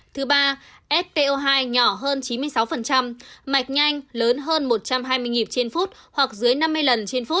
thứ ba sco hai nhỏ hơn chín mươi sáu mạch nhanh lớn hơn một trăm hai mươi nhịp trên phút hoặc dưới năm mươi lần trên phút